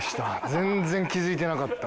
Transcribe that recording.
全然気づいてなかった。